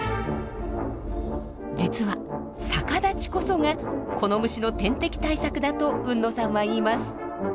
実は逆立ちこそがこの虫の天敵対策だと海野さんは言います。